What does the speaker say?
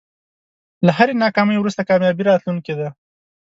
له هری ناکامۍ وروسته کامیابي راتلونکی ده.